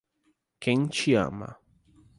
Quem te ama